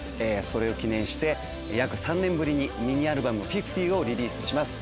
それを記念して約３年ぶりにミニアルバム『Ｌ−ｆｉｆｔｙ−』をリリースします。